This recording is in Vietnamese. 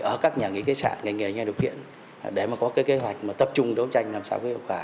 ở các nhà nghỉ cây sản nghề nghề như điều kiện để có kế hoạch tập trung đấu tranh làm sao có hiệu quả